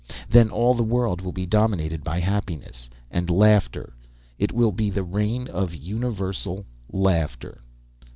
Then all the world will be dominated by happiness and laughter. It will be the reign of universal laughter.